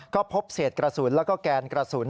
ก็พบเศษกระสุนแล้วก็แกนกระสุน